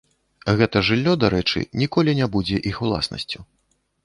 Гэта жыллё, дарэчы, ніколі не будзе іх уласнасцю.